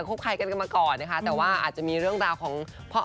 จะคบคลายกันกันมาก่อนนะคะแต่ว่าอาจจะมีเรื่องราวของ